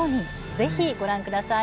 ぜひご覧ください。